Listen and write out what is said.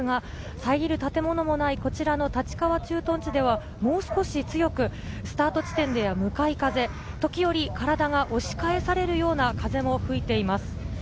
遮る建物もない立川駐屯地ではもう少し強くスタート地点では向かい風、時より体が押し返されるような風も吹いています。